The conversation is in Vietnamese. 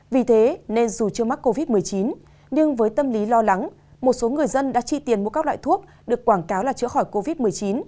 vì thế nên dù chưa mắc covid một mươi chín nhưng với tâm lý lo lắng một số người dân đã chi tiền mua các loại thuốc được quảng cáo là chữa khỏi covid một mươi chín